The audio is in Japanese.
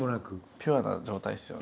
ピュアな状態ですよね。